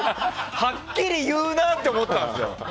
はっきり言うなって思ったんですよ。